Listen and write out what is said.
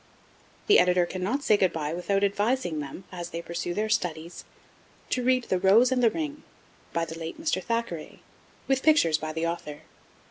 The Editor cannot say 'good bye' without advising them, as they pursue their studies, to read The Rose and the Ring, by the late Mr. Thackeray, with pictures by the author.